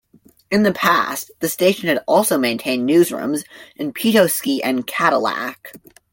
In the past, the station had also maintained newsrooms in Petoskey and Cadillac.